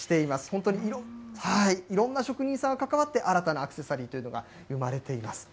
本当にいろんな職人さんが関わって新たなアクセサリーというのが生まれています。